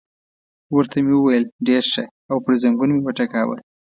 ورته مې وویل: ډېر ښه، او پر زنګون مې وټکاوه.